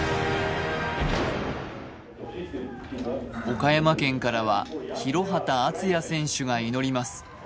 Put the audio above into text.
岡山県からは廣畑敦也選手が祈ります。